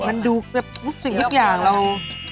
มันดูแบบทุกสิ่งทุกอย่างเรา